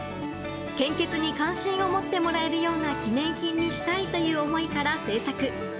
献血に関心を持ってもらえるような記念品にしたいという思いから制作。